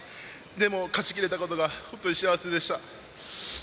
でも、勝ち切れたことが本当に幸せでした。